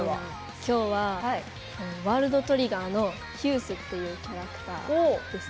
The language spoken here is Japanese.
今日は「ワールドトリガー」のヒュースっていうキャラクターです。